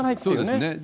そうですね。